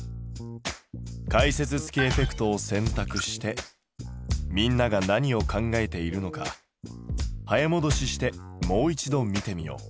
解説付きエフェクトを選択してみんなが何を考えているのか早もどししてもう一度見てみよう。